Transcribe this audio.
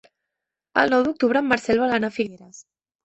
El nou d'octubre en Marcel vol anar a Figueres.